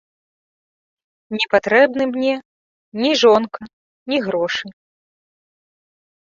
Не патрэбны мне ні жонка, ні грошы.